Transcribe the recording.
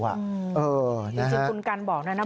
จริงคุณกันบอกด้วยนะ